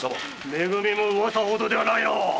め組も噂ほどではないのう。